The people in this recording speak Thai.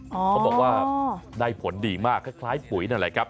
เขาบอกว่าได้ผลดีมากคล้ายปุ๋ยนั่นแหละครับ